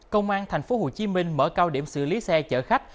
công an thành phố hồ chí minh mở cao điểm xử lý xe chở khách